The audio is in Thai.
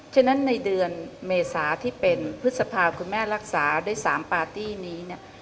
ฉะนั้นในเดือนเมษาที่เป็นพฤษภาคุณแม่รักษาได้๓ปาร์ตี้นี้เนี่ย